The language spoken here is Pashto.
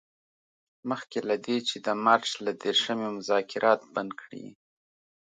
مخکې له دې چې د مارچ له دیرشمې مذاکرات بند کړي.